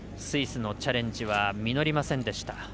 スイスのチャレンジは実りませんでした。